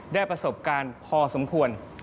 ได้ประสบการณ์พอสมควร